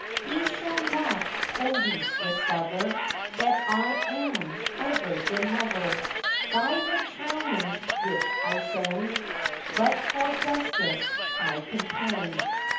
'He shall not the least discover That I am a virgin lover, By the challenge which I send; But for justice I contend.